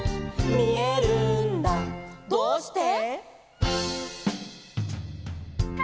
「どうして？」